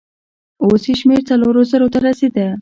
اوس يې شمېر څلورو زرو ته رسېده.